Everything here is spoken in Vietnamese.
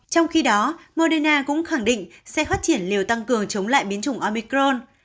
trong khi đó moderna cũng khẳng định sẽ hoát triển liều tăng cường chống lại biến chủng omicron